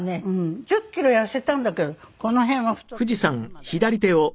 １０キロ痩せたんだけどこの辺は太ってるわねまだ。